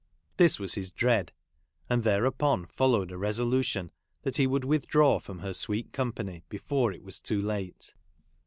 This was Ms dread; and there upon followed a resolution that he would withdraw from her sweet company before it was too late.